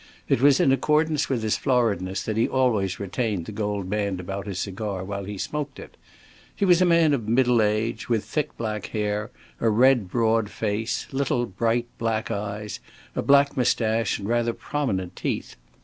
It was in accordance with his floridness that he always retained the gold band about his cigar while he smoked it. He was a man of middle age, with thick, black hair, a red, broad face, little bright, black eyes, a black mustache and rather prominent teeth.